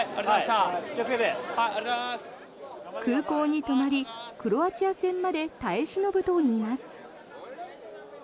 空港に泊まりクロアチア戦まで耐え忍ぶといいます。